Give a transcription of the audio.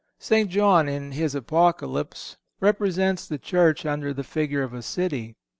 St. John, in his Apocalypse, represents the Church under the figure of a city.